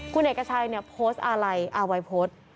คุณเอกชัยโพสต์อะไรอาวัยโพสต์